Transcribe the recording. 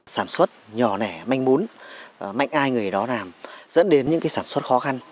sản xuất nhỏ nẻ manh bún mạnh ai người đó làm dẫn đến những cái sản xuất khó khăn